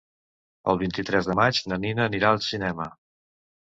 El vint-i-tres de maig na Nina anirà al cinema.